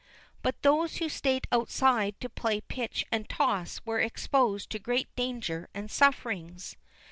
But those who stayed outside to play pitch and toss were exposed to great danger and sufferings.